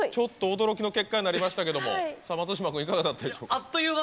驚きの結果となりましたけど松島君いかがだったでしょうか？